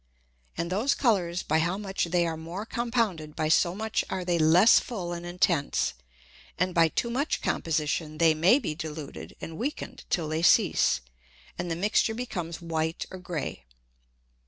And those Colours by how much they are more compounded by so much are they less full and intense, and by too much Composition they maybe diluted and weaken'd till they cease, and the Mixture becomes white or grey.